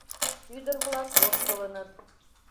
Ӱдыр-влак воштылыныт: